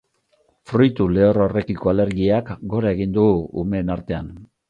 Fruitu lehor horrekiko alergiak gora egin du umeen artean.